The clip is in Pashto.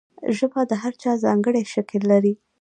ژبه د هر چا ځانګړی شکل لري.